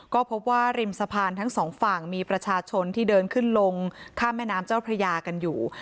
ก็พบว่าริมสะพานทั้งสองฝั่งมีประชาชนที่เดินขึ้นลงข้ามแม่น้ำเจ้าพระยากันอยู่